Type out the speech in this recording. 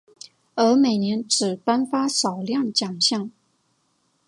而每年只颁发少量奖项。